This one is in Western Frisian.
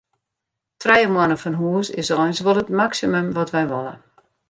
Trije moanne fan hûs is eins wol it maksimum wat wy wolle.